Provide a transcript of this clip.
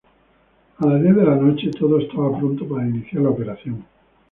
A las diez de la noche todo estaba pronto para iniciar la operación.